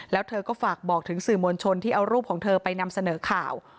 แล้วเธอก็ฝากบอกถึงสื่อมวลชนที่เอารูปของเธอไปนำเสนอข่าว